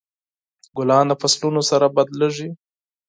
ګلان د فصلونو سره بدلیږي.